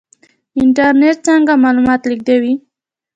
انټرنیټ څنګه معلومات لیږدوي؟